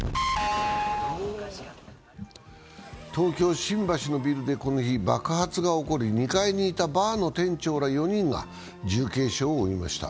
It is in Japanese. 東京・新橋のビルでこの日、爆発が起こり、２階にいたバーの店長ら４人が重軽傷を負いました。